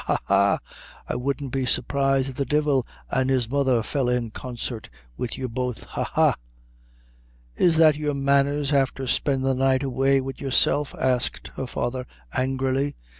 ha! I wouldn't be surprised if the divil an' his mother fell in consate wid you both! ha! ha!" "Is that your manners, afther spendin' the night away wid yourself?" asked her father, angrily.